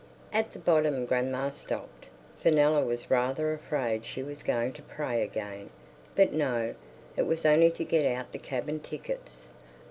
At the bottom grandma stopped; Fenella was rather afraid she was going to pray again. But no, it was only to get out the cabin tickets.